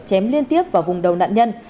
chém liên tiếp vào vùng đầu nạn nhân